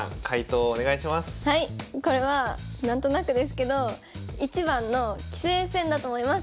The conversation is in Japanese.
これは何となくですけど１番の棋聖戦だと思います。